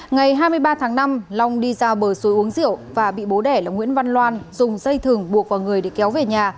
ngày hai mươi ba tháng năm long đi ra bờ suối uống rượu và bị bố đẻ là nguyễn văn loan dùng dây thừng buộc vào người để kéo về nhà